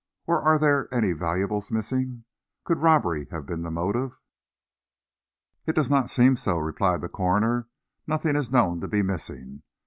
Or are there any valuables missing? Could robbery have been the motive?" "It does not seem so," replied the coroner. "Nothing is known to be missing.